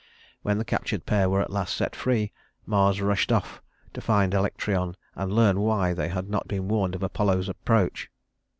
When the captured pair were at last set free, Mars rushed off to find Alectryon and to learn why they had not been warned of Apollo's approach.